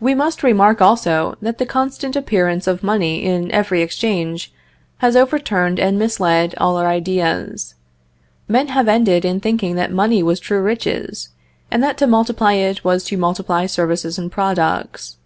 We must remark, also, that the constant appearance of money in every exchange has overturned and misled all our ideas; men have ended in thinking that money was true riches, and that to multiply it was to multiply services and products.